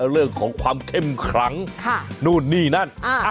เรื่องของความเข้มขลังนู่นนี่นั่น